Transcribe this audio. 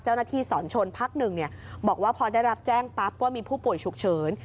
เจ้าหน้าที่สอนชนพักหนึ่งเนี้ยบอกว่าพอได้รับแจ้งปั๊บว่ามีผู้ป่วยฉุกเฉิน